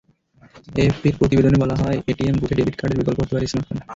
এএফপির প্রতিবেদনে বলা হয়, এটিএম বুথে ডেবিট কার্ডের বিকল্প হতে পারে স্মার্টফোন।